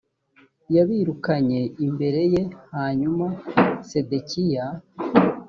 yabirukanye imbere ye hanyuma sedekiya